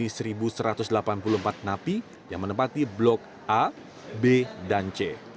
karena dengerin barlow nih ya